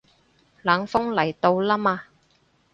冷鋒嚟到啦嘛